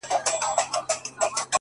وي دردونه په سينوكي.!